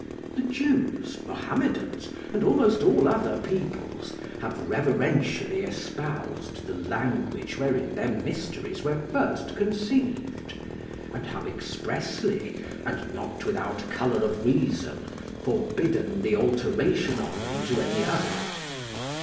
The Jews, Mohammedans, and almost all other peoples, have reverentially espoused the language wherein their mysteries were first conceived, and have expressly, and not without colour of reason, forbidden the alteration of them into any other.